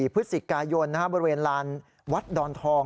พฤศจิกายนบริเวณลานวัดดอนทอง